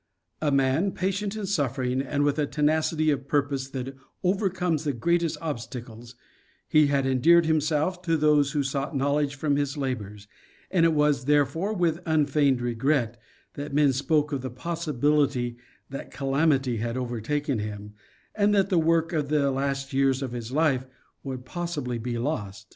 A man, patient in suffering, and with a tenacity of purpose that over comes the greatest obstacles, he had endeared himself to those who sought knowledge from his labors, and it was, therefore, with unfeigned regret that men spoke of the possibility that calamity had overtaken him, and that the work of the last years of his life would possibly be lost.